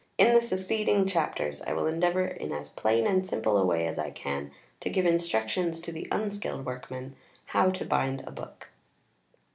In the succeeding chapters, I will endeavour in as plain and simple a way as I can to give instructions to the unskilled workman how to bind a book.